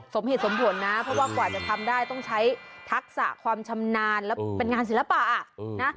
สมเหตุสมผลนะเพราะว่ากว่าจะทำได้ต้องใช้ทักษะความชำนาญและเป็นงานศิลปะนะ